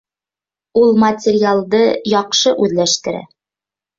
Ул материалды яҡшы үҙләштерә